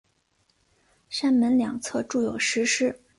山门两侧筑有石狮。